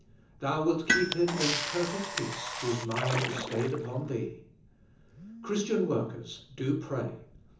"Thou wilt keep him in perfect peace whose mind is stayed upon Thee." Christian workers, do pray.